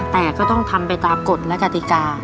แต่ก็ต้องทำไปตามกฎและกติกา